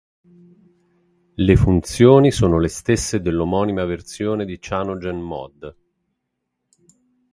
Le funzioni sono le stesse dell'omonima versione di CyanogenMod.